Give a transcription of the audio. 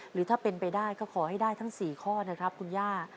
หรือถ้าเป็นไปได้ก็ขอให้ได้ทั้ง๔ข้อนะครับคุณย่า